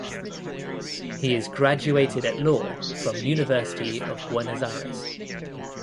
He is graduated at law from University of Buenos Aires.